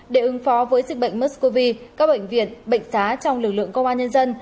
để ứng phó với dịch bệnh muscovy các bệnh viện bệnh giá trong lực lượng công an nhân dân